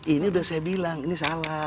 ini udah saya bilang ini salah